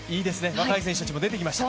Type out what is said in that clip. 若い選手たちも出てきました。